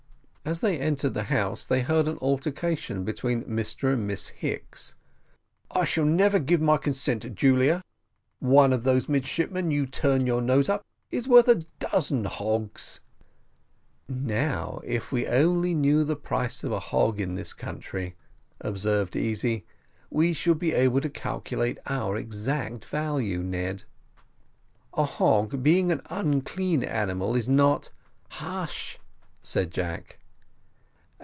As they entered the house they heard an altercation between Mr and Miss Hicks. "I shall never give my consent, Julia; one of those midshipmen you turn your nose up at is worth a dozen Hoggs." "Now, if we only knew the price of a hog in this country," observed Easy, "we should be able to calculate our exact value, Ned." "A hog, being an unclean animal, is not " "Hush," said Jack.